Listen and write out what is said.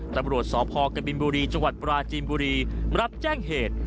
ตำรวจสพกบินบุรีจังหวัดปราจีนบุรีรับแจ้งเหตุ